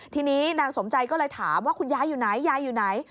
ทีนี้นางสมใจก็เลยถามว่าคุณยายอยู่ไหน